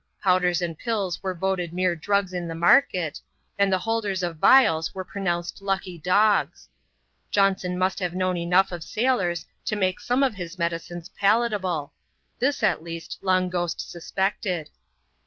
Powders and pills were voted mere drugs in the market, and the holders of viab were pronounced lucky dogs. Johnson must have known enough of Bailors to make some of his medicines palatable — this, at least, Long Ghost suspected.